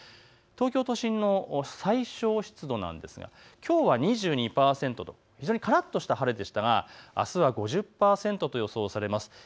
東京都心の最小湿度なんですがきょうは２２％と非常にからっとした晴れでしたがあすは５０％と予想されています。